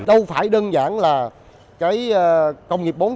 đâu phải đơn giản là công nghiệp bốn